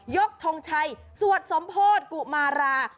ยกทรงชัยวัดสมโพธิ์กุมารา